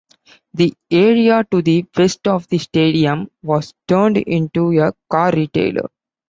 The area to the west of the stadium was turned into a car retailer.